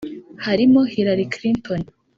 harimo Hillary Clinton